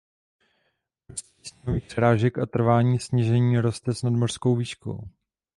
Množství sněhových srážek a trvání sněžení roste s nadmořskou výškou.